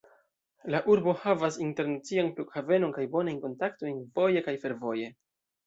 La urbo havas internacian flughavenon kaj bonajn kontaktojn voje kaj fervoje.